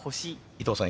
伊藤さん